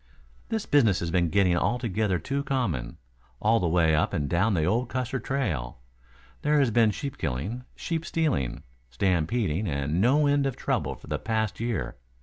"This business has been getting altogether too common. All the way up and down the old Custer trail, there has been sheep killing, sheep stealing, stampeding and no end of trouble for the past year.